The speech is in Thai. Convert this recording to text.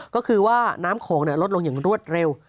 ก็คือว่าน้ำโขงลดลงอย่างรวดเร็ว